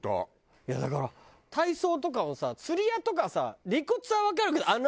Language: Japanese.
いやだから体操とかもさつり輪とかさ理屈はわかるけどあんな